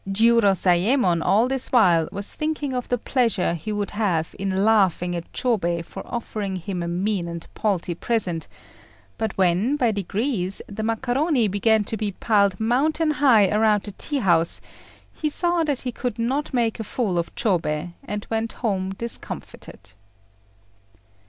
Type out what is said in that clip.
Jiurozayémon all this while was thinking of the pleasure he would have in laughing at Chôbei for offering him a mean and paltry present; but when, by degrees, the macaroni began to be piled mountain high around the tea house, he saw that he could not make a fool of Chôbei, and went home discomfited.